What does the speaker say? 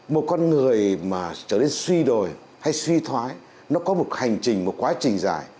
một con người mà trở nên suy đổi hay suy thoái nó có một hành trình một quá trình dài